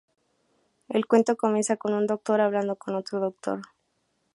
El cuento comienza con un doctor hablando con otro doctor.